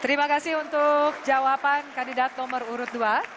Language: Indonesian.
terima kasih untuk jawaban kandidat nomor urut dua